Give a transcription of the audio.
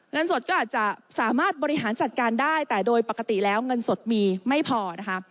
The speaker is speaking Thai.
เงินสดก็อาจจะสามารถบริหารจัดการได้แต่โดยปกติแล้วเงินสดมีไม่พอนะคะ